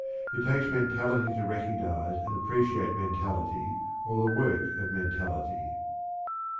It takes mentality to recognize and appreciate mentality or the work of mentality.